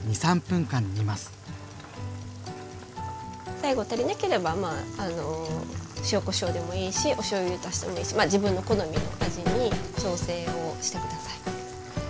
最後足りなければ塩・こしょうでもいいしおしょうゆを足してもいいし自分の好みの味に調整をして下さい。